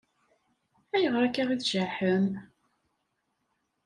Ayɣer akka i tjaḥem?